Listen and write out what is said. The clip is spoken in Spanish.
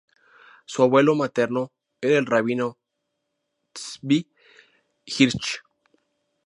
Su abuelo materno era el rabino Tzvi Hirsch.